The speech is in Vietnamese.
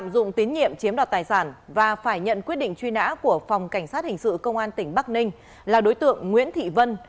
quyết định truy nã của phòng cảnh sát hình sự công an tỉnh bắc ninh là đối tượng nguyễn thị vân